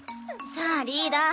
さあリーダー